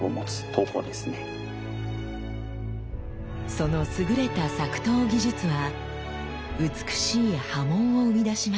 その優れた作刀技術は美しい刃文を生み出しました。